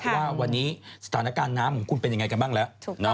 ว่าวันนี้สถานการณ์น้ำของคุณเป็นยังไงกันบ้างแล้ว